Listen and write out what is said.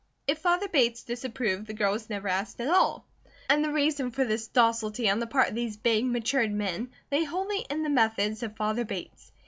If father Bates disapproved, the girl was never asked at all. And the reason for this docility on the part of these big, matured men, lay wholly in the methods of father Bates.